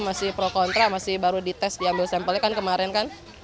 masih pro kontra masih baru dites diambil sampelnya kan kemarin kan